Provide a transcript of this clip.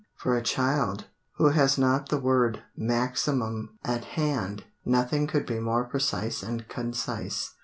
For a child, who has not the word "maximum" at hand, nothing could be more precise and concise.